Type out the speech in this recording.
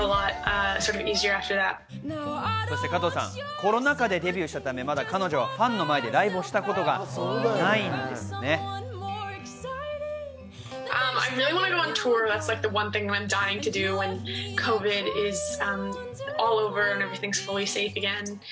コロナ禍でデビューしたため、まだ彼女はファンの前でライブしたことがないんです。